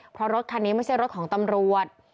เพราะรถคันนี้ไม่ใช่รถของตำรวจ